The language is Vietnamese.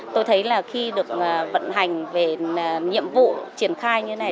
tôi thấy là khi được vận hành về nhiệm vụ triển khai như thế này